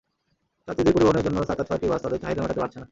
যাত্রীদের পরিবহনের জন্য থাকা ছয়টি বাস তাঁদের চাহিদা মেটাতে পারছে না।